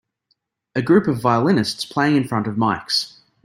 A group of violinists playing in front of mics.